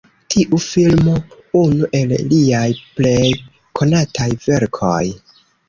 Tiu filmo unu el liaj plej konataj verkoj.